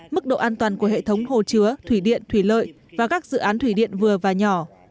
mức độ an toàn của hệ thống hồ chứa thủy điện thủy lợi và các dự án thủy điện vừa và nhỏ